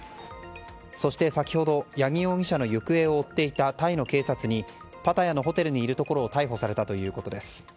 そして先ほど、八木容疑者の行方を追っていたタイの警察にパタヤのホテルにいるところを逮捕されたということです。